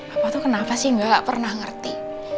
apa tuh kenapa sih mbak gak pernah ngerti